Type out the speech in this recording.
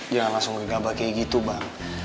jangan langsung gegabah kayak gitu bang